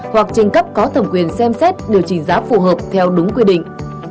hoặc trình cấp có thẩm quyền xem xét điều chỉnh giá phù hợp theo đúng quy định